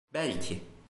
Belki...